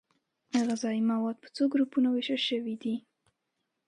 غذايي مواد په څو ګروپونو ویشل شوي دي